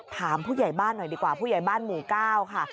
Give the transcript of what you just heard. ถามผู้ใหญ่บ้านหน่อยดีกว่าผู้ใหญ่บ้านหมู่๙ค่ะ